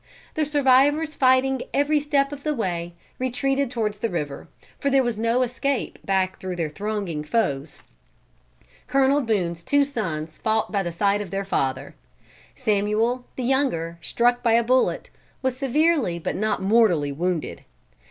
The survivors fighting every step of the way, retreated towards the river, for there was no escape back through their thronging foes. Colonel Boone's two sons fought by the side of their father. Samuel, the younger, struck by a bullet, was severely but not mortally wounded.